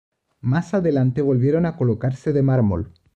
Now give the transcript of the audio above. Más adelante volvieron a colocarse de mármol.